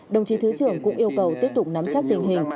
đồng chí thứ trưởng cũng yêu cầu tiếp tục nắm chắc tình hình